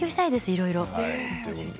いろいろ。